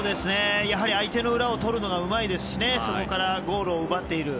やはり相手の裏をとるのがうまいですしそこからゴールを奪っている。